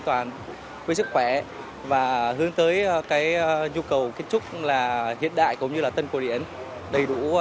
toàn với sức khỏe và hướng tới cái nhu cầu kiến trúc là hiện đại cũng như là tân cổ điển đầy đủ